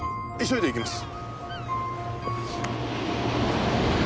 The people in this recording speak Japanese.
急いで行きます。